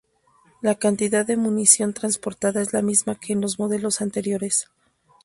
La cantidad de munición transportada es la misma que en los modelos anteriores.